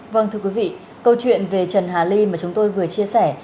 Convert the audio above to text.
vâng thưa quý vị câu chuyện về trần hà ly mà chúng tôi vừa chia sẻ